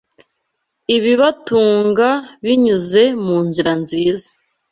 ibibatunga binyuze mu nzira nziza